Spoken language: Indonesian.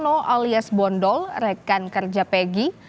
alias bondol rekan kerja peggy